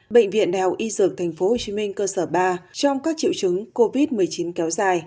bệnh viện đại học y dược tp hcm cơ sở ba trong các triệu chứng covid một mươi chín kéo dài